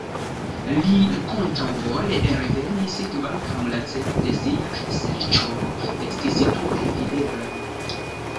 Li kontraŭvole revenis, kvankam la celo de sia serĉo estis tute videbla.